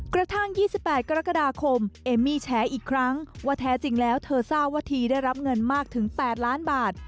กระทั่ง๒๘กรกฎาคมเอมมี่แฉอีกครั้งว่าแท้จริงแล้วเธอทราบว่าทีได้รับเงินมากถึง๘ล้านบาท